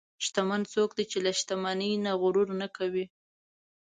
شتمن څوک دی چې له شتمنۍ نه غرور نه کوي.